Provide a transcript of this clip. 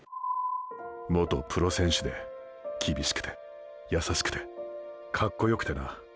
元プロ選手できびしくてやさしくてカッコよくてな。